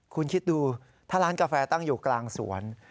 คุณคิดดูถ้าร้านกาแฟตั้งอยู่กลางสวน